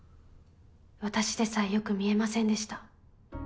私でさえよく見えませんでした。